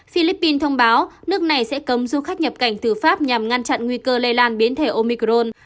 philippines thông báo nước này sẽ cấm du khách nhập cảnh từ pháp nhằm ngăn chặn nguy cơ lây lan biến thể omicron